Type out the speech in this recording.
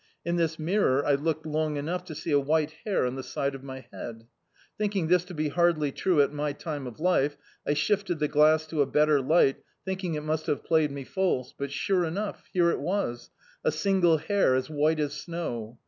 In this mirror I looked long enough to see a white hair on the side of my head. Thinking this to be hardly true at my time of life, I shifted the glass to a better light, thinking it must have played me false; but sure enou^ here it was — a single hair, as white as snow.